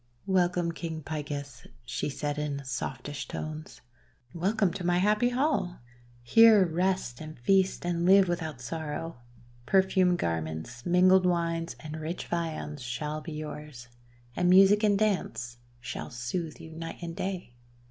"Welcome, King Picus," she said, in softest tones. "Welcome to my happy hall! Here rest, and feast, and live without sorrow. Per fumed garments, mingled wines, and rich viands shall be yours, and music and dance shall sooth you night and day.